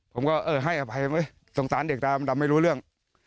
ผมก็เอ่อให้อภัยเฮ้ยสงสารเด็กตามันทำไม่รู้เรื่อง